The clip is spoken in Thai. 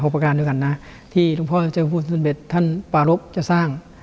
๖ประการที่พระพุทธพระมัดท่านปารุพธ์จะสร้าง